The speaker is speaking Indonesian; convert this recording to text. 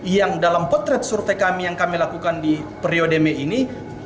yang dalam potret survei kami yang kami lakukan di periode mei ini